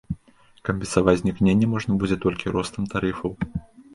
Кампенсаваць знікненне можна будзе толькі ростам тарыфаў.